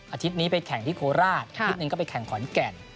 อาทิตย์นี้ไปแข่งที่โคราชนิดนึงก็ไปแข่งขอนแก่น